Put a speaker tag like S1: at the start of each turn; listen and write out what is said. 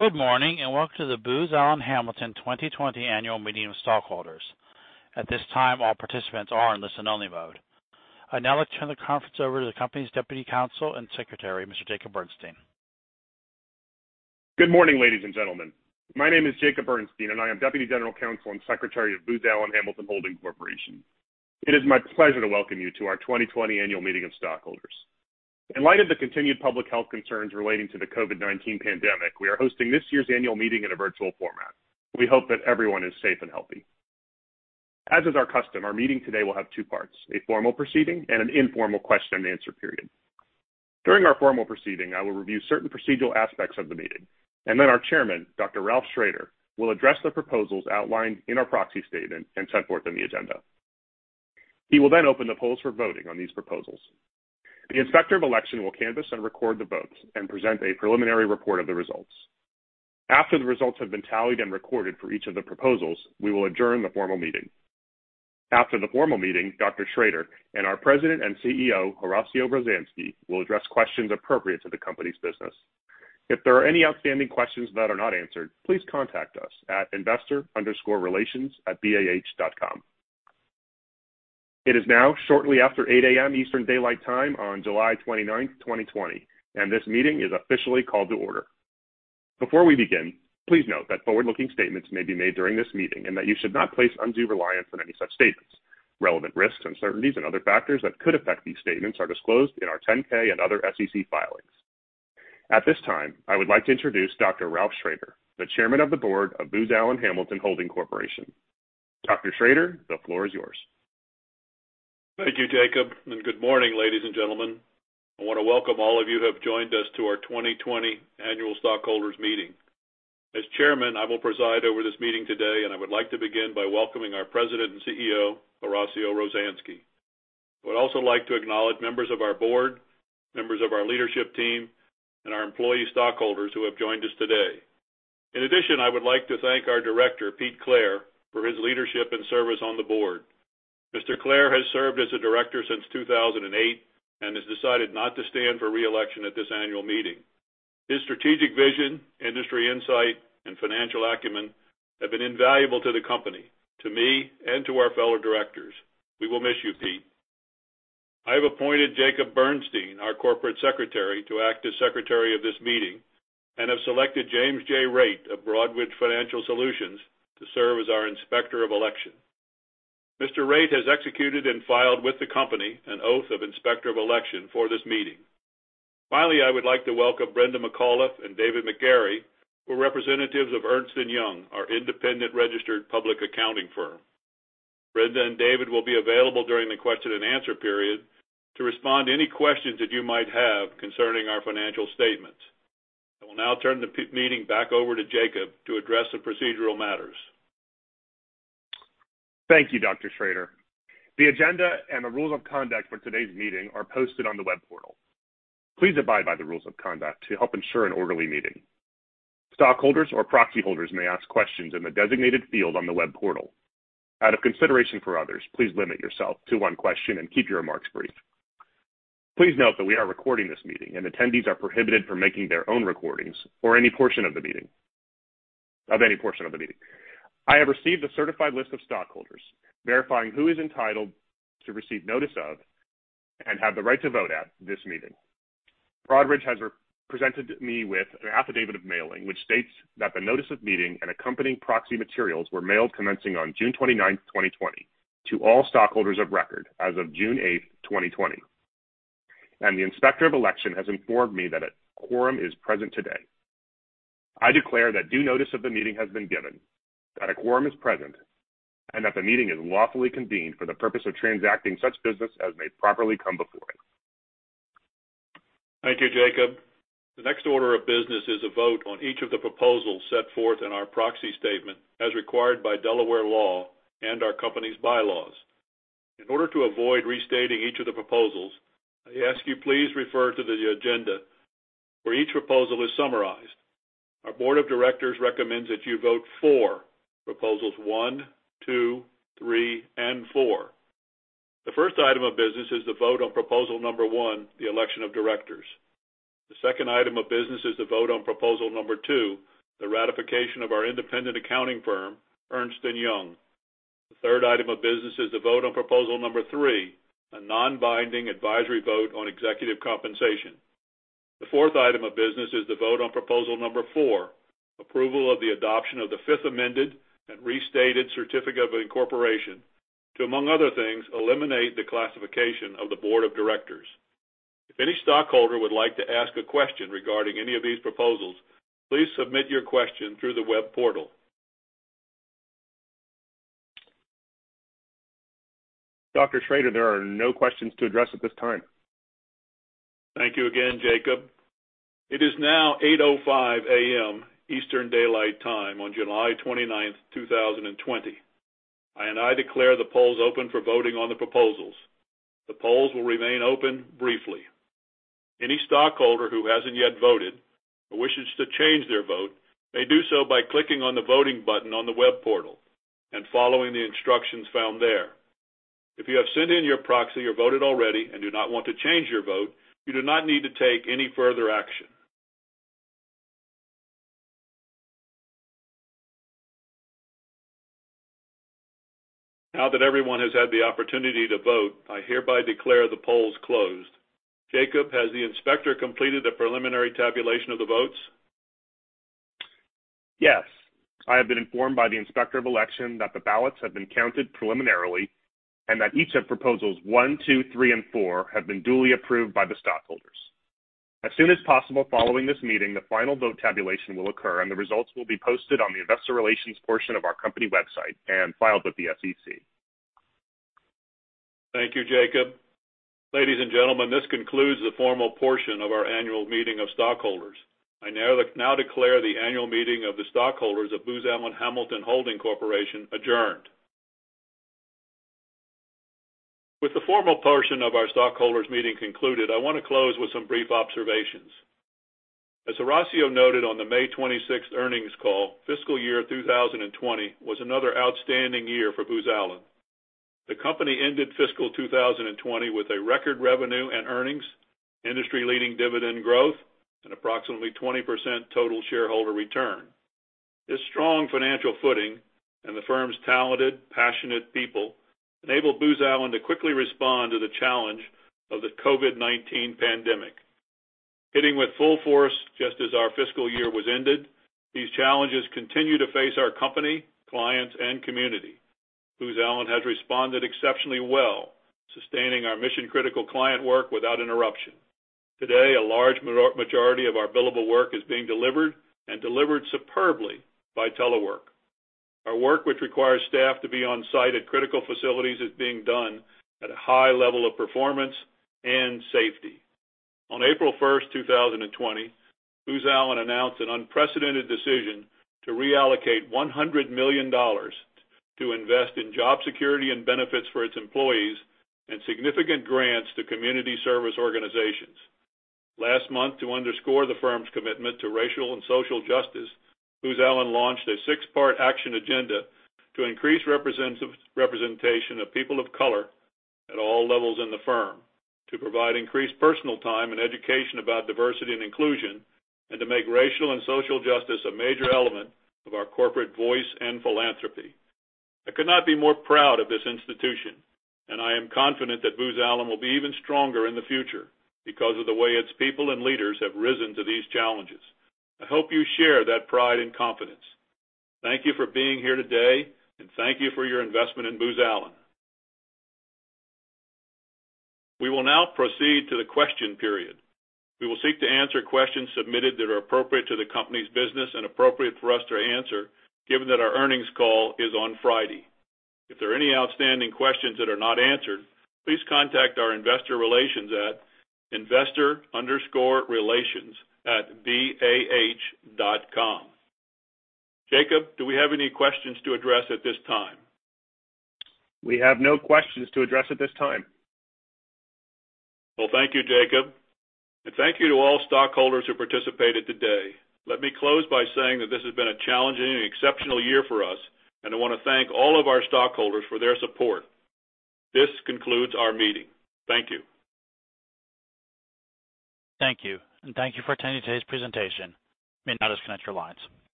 S1: Good morning and welcome to the Booz Allen Hamilton 2020 Annual Meeting of Stockholders. At this time, all participants are in listen-only mode. I now like to turn the conference over to the Company's Deputy Counsel and Secretary, Mr. Jacob Bernstein.
S2: Good morning, ladies and gentlemen. My name is Jacob Bernstein, and I am Deputy General Counsel and Secretary of Booz Allen Hamilton Holding Corporation. It is my pleasure to welcome you to our 2020 Annual Meeting of stockholders. In light of the continued public health concerns relating to the COVID-19 pandemic, we are hosting this year's Annual Meeting in a virtual format. We hope that everyone is safe and healthy. As is our custom, our meeting today will have two parts: a formal proceeding and an informal question-and-answer period. During our formal proceeding, I will review certain procedural aspects of the meeting, and then our Chairman, Dr. Ralph Shrader, will address the proposals outlined in our proxy statement and set forth in the agenda. He will then open the polls for voting on these proposals. The Inspector of Election will canvass and record the votes and present a preliminary report of the results. After the results have been tallied and recorded for each of the proposals, we will adjourn the formal meeting. After the formal meeting, Dr. Shrader and our President and CEO, Horacio Rozanski, will address questions appropriate to the Company's business. If there are any outstanding questions that are not answered, please contact us at investor_relations@bah.com. It is now shortly after 8:00 A.M. EDT on July 29th, 2020, and this meeting is officially called to order. Before we begin, please note that forward-looking statements may be made during this meeting and that you should not place undue reliance on any such statements. Relevant risks, uncertainties, and other factors that could affect these statements are disclosed in our 10-K and other SEC filings. At this time, I would like to introduce Dr. Ralph Shrader, the Chairman of the Board of Booz Allen Hamilton Holding Corporation. Dr. Shrader, the floor is yours.
S3: Thank you, Jacob, and good morning, ladies and gentlemen. I want to welcome all of you who have joined us to our 2020 Annual Stockholders' Meeting. As Chairman, I will preside over this meeting today, and I would like to begin by welcoming our President and CEO, Horacio Rozanski. I would also like to acknowledge members of our Board, members of our leadership team, and our employee stockholders who have joined us today. In addition, I would like to thank our Director, Pete Clare, for his leadership and service on the Board. Mr. Clare has served as a Director since 2008 and has decided not to stand for re-election at this Annual Meeting. His strategic vision, industry insight, and financial acumen have been invaluable to the Company, to me, and to our fellow Directors. We will miss you, Pete. I have appointed Jacob Bernstein, our Corporate Secretary, to act as Secretary of this Meeting and have selected James J. Raitt of Broadridge Financial Solutions to serve as our Inspector of Election. Mr. Raitt has executed and filed with the Company an oath of Inspector of Election for this meeting. Finally, I would like to welcome Brenda McAuliffe and David McGarry, who are representatives of Ernst & Young, our independent registered public accounting firm. Brenda and David will be available during the question-and-answer period to respond to any questions that you might have concerning our financial statements. I will now turn the meeting back over to Jacob to address the procedural matters.
S2: Thank you, Dr. Shrader. The agenda and the rules of conduct for today's meeting are posted on the web portal. Please abide by the rules of conduct to help ensure an orderly meeting. Stockholders or proxy holders may ask questions in the designated field on the web portal. Out of consideration for others, please limit yourself to one question and keep your remarks brief. Please note that we are recording this meeting, and attendees are prohibited from making their own recordings of any portion of the meeting. I have received a certified list of stockholders verifying who is entitled to receive notice of and have the right to vote at this meeting. Broadridge has presented me with an affidavit of mailing, which states that the notice of meeting and accompanying proxy materials were mailed commencing on June 29th, 2020, to all stockholders of record as of June 8th, 2020, and the Inspector of Election has informed me that a quorum is present today. I declare that due notice of the meeting has been given, that a quorum is present, and that the meeting is lawfully convened for the purpose of transacting such business as may properly come before it.
S3: Thank you, Jacob. The next order of business is a vote on each of the proposals set forth in our proxy statement as required by Delaware law and our Company's bylaws. In order to avoid restating each of the proposals, I ask you please refer to the agenda where each proposal is summarized. Our Board of Directors recommends that you vote for proposals one, two, three, and four. The first item of business is the vote on proposal number one, the election of directors. The second item of business is the vote on proposal number two, the ratification of our independent accounting firm, Ernst & Young. The third item of business is the vote on proposal number three, a non-binding advisory vote on executive compensation. The fourth item of business is the vote on proposal number four, approval of the adoption of the Fifth Amended and Restated Certificate of Incorporation to, among other things, eliminate the classification of the Board of Directors. If any stockholder would like to ask a question regarding any of these proposals, please submit your question through the web portal.
S2: Dr. Shrader, there are no questions to address at this time.
S3: Thank you again, Jacob. It is now 8:05 A.M. EDT on July 29th, 2020. I declare the polls open for voting on the proposals. The polls will remain open briefly. Any stockholder who hasn't yet voted or wishes to change their vote may do so by clicking on the voting button on the web portal and following the instructions found there. If you have sent in your proxy or voted already and do not want to change your vote, you do not need to take any further action. Now that everyone has had the opportunity to vote, I hereby declare the polls closed. Jacob, has the Inspector completed the preliminary tabulation of the votes?
S2: Yes. I have been informed by the Inspector of Election that the ballots have been counted preliminarily and that each of proposals one, two, three, and four have been duly approved by the stockholders. As soon as possible, following this meeting, the final vote tabulation will occur, and the results will be posted on the Investor Relations portion of our Company website and filed with the SEC.
S3: Thank you, Jacob. Ladies and gentlemen, this concludes the formal portion of our Annual Meeting of Stockholders. I now declare the Annual Meeting of the Stockholders of Booz Allen Hamilton Holding Corporation adjourned. With the formal portion of our stockholders' meeting concluded, I want to close with some brief observations. As Horacio noted on the May 26 earnings call, fiscal year 2020 was another outstanding year for Booz Allen. The Company ended fiscal 2020 with a record revenue and earnings, industry-leading dividend growth, and approximately 20% total shareholder return. This strong financial footing and the firm's talented, passionate people enabled Booz Allen to quickly respond to the challenge of the COVID-19 pandemic. Hitting with full force just as our fiscal year was ended, these challenges continue to face our Company, clients, and community. Booz Allen has responded exceptionally well, sustaining our mission-critical client work without interruption. Today, a large majority of our billable work is being delivered and delivered superbly by telework. Our work, which requires staff to be on-site at critical facilities, is being done at a high level of performance and safety. On April 1st, 2020, Booz Allen announced an unprecedented decision to reallocate $100 million to invest in job security and benefits for its employees and significant grants to community service organizations. Last month, to underscore the firm's commitment to racial and social justice, Booz Allen launched a six-part action agenda to increase representation of people of color at all levels in the firm, to provide increased personal time and education about diversity and inclusion, and to make racial and social justice a major element of our corporate voice and philanthropy. I could not be more proud of this institution, and I am confident that Booz Allen will be even stronger in the future because of the way its people and leaders have risen to these challenges. I hope you share that pride and confidence. Thank you for being here today, and thank you for your investment in Booz Allen. We will now proceed to the question period. We will seek to answer questions submitted that are appropriate to the Company's business and appropriate for us to answer, given that our earnings call is on Friday. If there are any outstanding questions that are not answered, please contact our Investor Relations at investor_relations@bah.com. Jacob, do we have any questions to address at this time?
S2: We have no questions to address at this time.
S3: Thank you, Jacob, and thank you to all stockholders who participated today. Let me close by saying that this has been a challenging and exceptional year for us, and I want to thank all of our stockholders for their support. This concludes our meeting. Thank you.
S1: Thank you, and thank you for attending today's presentation. You may now disconnect your lines.